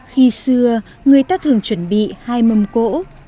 khi xưa người ta thường chuẩn bị hai mâm cỗ